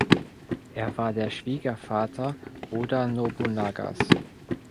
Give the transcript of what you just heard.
Er war der Schwiegervater Oda Nobunagas.